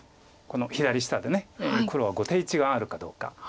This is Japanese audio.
左下で黒は後手一眼あるかどうか。